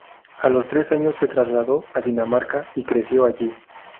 A los tres años se trasladó a Dinamarca, y creció allí.